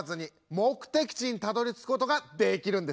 目的地にたどり着くことができんの？